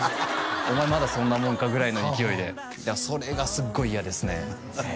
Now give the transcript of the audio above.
お前まだそんなもんかぐらいの勢いでそれがすっごい嫌ですね